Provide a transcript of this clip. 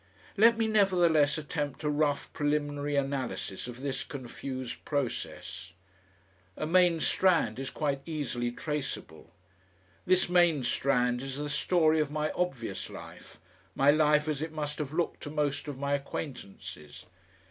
Let me, nevertheless, attempt a rough preliminary analysis of this confused process. A main strand is quite easily traceable. This main strand is the story of my obvious life, my life as it must have looked to most of my acquaintances.